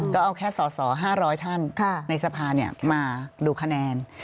ก็เอาแค่ส่อห้าร้อยท่านในสภามาดูคะแนน